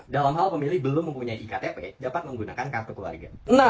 dalam hal pemilih belum mempunyai iktp dapat menggunakan kartu keluarga